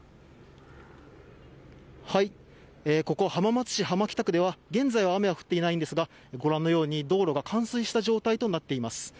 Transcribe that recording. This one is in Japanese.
ここ浜松市浜北区では現在雨は降っていないんですがご覧のように道路が冠水した状態となっています。